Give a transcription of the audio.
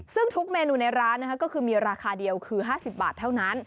ซึ่งทุกเมนูในร้านก็คือมีราคาเดียวคือ๕๐บาทเท่านั้น